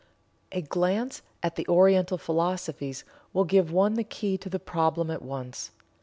A glance at the Oriental philosophies will give one the key to the problem at once.